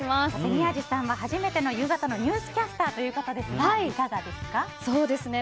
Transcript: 宮司さん、初めての夕方のニュースキャスターということですがいかがですか？